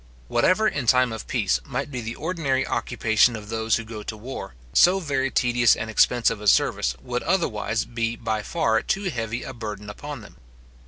Whatever, in time of peace, might be the ordinary occupation of those who go to war, so very tedious and expensive a service would otherwise be by far too heavy a burden upon them.